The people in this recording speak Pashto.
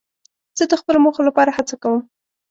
زه د خپلو موخو لپاره هڅه کوم.